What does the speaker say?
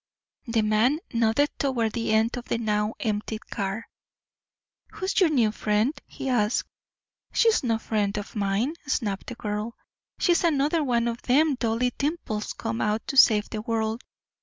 The man nodded toward the end of the now empty car. "Who's your new friend?" he asked. "She's no friend of mine," snapped the girl. "She's another one of them Dolly Dimples come out to save the world.